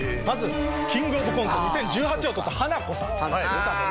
まずキングオブコント２０１８を取ったハナコさん。